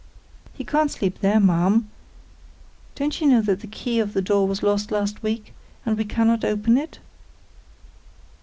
"He can't sleep there, ma'am. Don't you know that the key of the door was lost last week, and we cannot open it?"